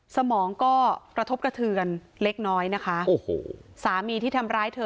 สมองก็กระทบกระเทือนเล็กน้อยนะคะโอ้โหสามีที่ทำร้ายเธอ